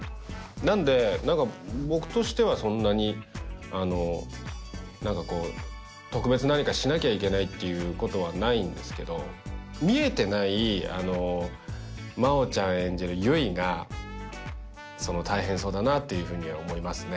なんで何か僕としてはそんなに何かこう特別何かしなきゃいけないっていうことはないんですけど見えてない真央ちゃん演じる悠依が大変そうだなっていうふうには思いますね